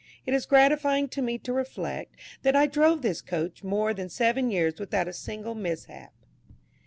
It is gratifying to me to reflect, that I drove this coach more than seven years without a single mishap.